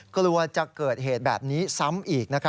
กลัวจะเกิดเหตุแบบนี้ซ้ำอีก